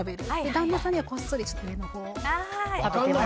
旦那さんにはこっそり上のほうを。